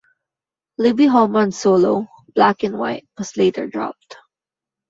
Libby Holman's solo, "Black and White" was later dropped.